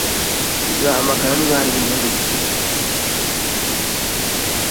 Tuzahamagara niba hari ibindi bibazo dufite